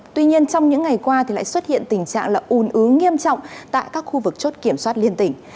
tuy nhiên trong những ngày qua thì lại xuất hiện tình trạng là un ứ nghiêm trọng tại các khu vực chốt kiểm soát liên tỉnh